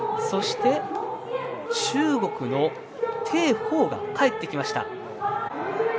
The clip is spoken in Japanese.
そして中国の鄭鵬が帰ってきました。